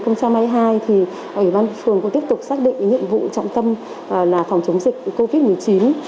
năm hai nghìn hai mươi hai ubnd phường tiếp tục xác định nhiệm vụ trọng tâm là phòng chống dịch covid một mươi chín